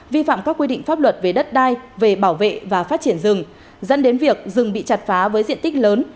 vi phạm các quy định pháp luật về đất đai về bảo vệ và phát triển rừng dẫn đến việc rừng bị chặt phá với diện tích lớn